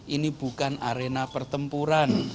ini bukan arena pertempuran